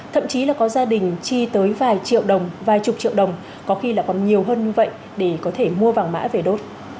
thậm chí là có gia đình chi tới vài triệu đồng vài chục triệu đồng có khi là còn nhiều hơn như vậy để có thể mua vàng mã về đốt